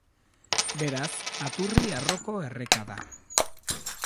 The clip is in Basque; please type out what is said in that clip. Beraz Aturri arroko erreka da.